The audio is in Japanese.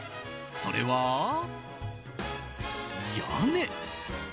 それは、屋根。